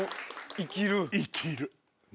「生きる」。